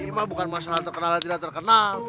ini mah bukan masalah terkenal dan tidak terkenal